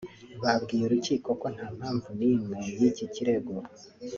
babwiye urukiko ko nta mpamvu n’imwe y’iki kirego